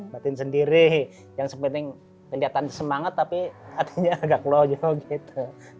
berarti sendiri yang sepenting kelihatan semangat tapi artinya agak loyo gitu